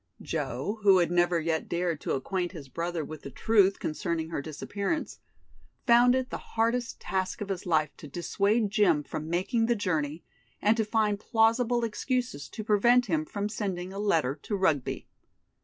Joe, who had never yet dared to acquaint his brother with the truth concerning her disappearance, found it the hardest task of his life to dissuade Jim from making the journey and to find plausible excuses to prevent him from sending a letter to Rugby.